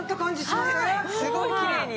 すごいきれいに。